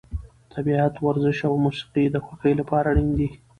طبیعت، ورزش او موسیقي د خوښۍ لپاره اړین دي.